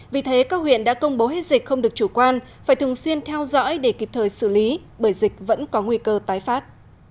vì thế các huyện đã công bố hết dịch không được chủ quan phải thường xuyên theo dõi để kịp thời xử lý bởi dịch vẫn có nguy cơ tái phát